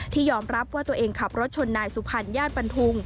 ยอมรับว่าตัวเองขับรถชนนายสุพรรณญาติบันทุง